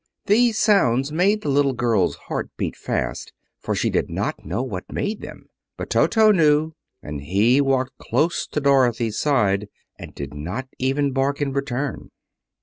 These sounds made the little girl's heart beat fast, for she did not know what made them; but Toto knew, and he walked close to Dorothy's side, and did not even bark in return.